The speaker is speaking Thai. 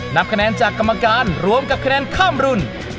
นับคะแนนจากกรรมการรวมกับคะแนนข้ามรุ่น